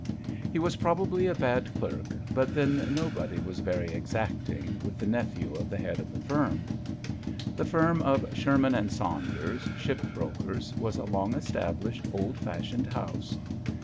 He was pro 46 JOHN SHERMAN. bably a bad clerk, but then no body was very exacting with the nephew of the head of the firm. The firm of Sherman and Saunders, ship brokers, was a long established, old fashioned house.